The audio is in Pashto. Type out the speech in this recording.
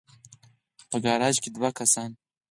په ګراج کې دوه کسان